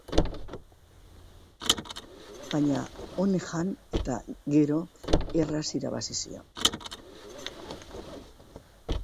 Baina honek jan eta gero erraz irabazi zion.